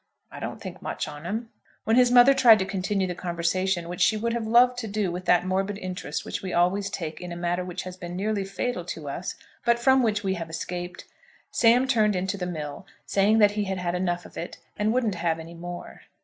I don't think much on 'em." When his mother tried to continue the conversation, which she would have loved to do with that morbid interest which we always take in a matter which has been nearly fatal to us, but from which we have escaped, Sam turned into the mill, saying that he had had enough of it, and wouldn't have any more.